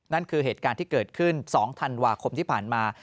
นั่นคือเหตุการณ์ที่เกิดขึ้น๒ธันวาคมที่ผ่านมา